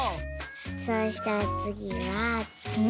そうしたらつぎはツノ。